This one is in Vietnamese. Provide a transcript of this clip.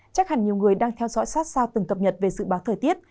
chắc hẳn nhiều người đang theo dõi sát sao từng cập nhật về dự báo thời tiết